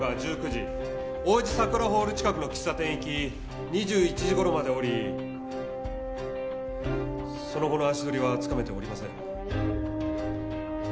王子さくらホール近くの喫茶店へ行き２１時頃までおりその後の足取りはつかめておりません。